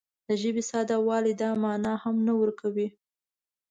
د ژبې ساده والی دا مانا هم نه ورکوي